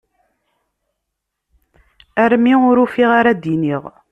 Armi ur ufiɣ ara d-iniɣ.